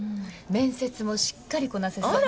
面接もしっかりこなせそう。